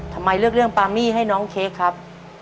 ทำไมเลือกเรื่องปามี่ให้น้องเค้กครับ